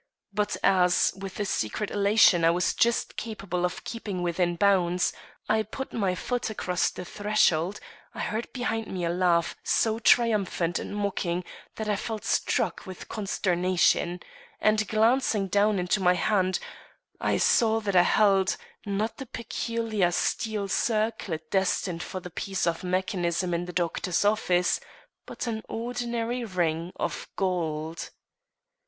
But as, with a secret elation I was just capable of keeping within bounds, I put my foot across the threshold, I heard behind me a laugh so triumphant and mocking that I felt struck with consternation; and, glancing down into my hand, I saw that I held, not the peculiar steel circlet destined for the piece of mechanism in the doctor's office, but an ordinary ring of gold.